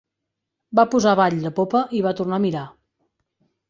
Va posar avall la popa i va tornar a mirar.